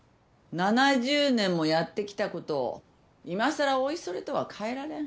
７０年もやってきたことをいまさらおいそれとは変えられん。